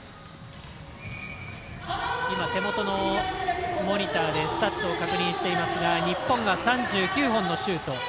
手元のモニターでスタッツを確認していますが日本が３９本のシュート。